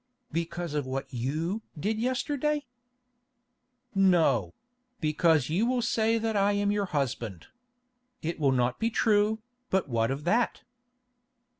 "Because of what you did yesterday?" "No—because you will say that I am your husband. It will not be true, but what of that?"